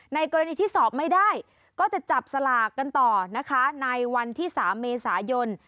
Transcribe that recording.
กรณีที่สอบไม่ได้ก็จะจับสลากกันต่อนะคะในวันที่๓เมษายน